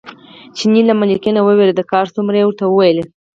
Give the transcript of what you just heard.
چیني له ملکه نه وېرېده، که هر څومره یې ورته وویل.